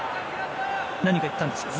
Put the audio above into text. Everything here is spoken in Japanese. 何か言ったんですかね。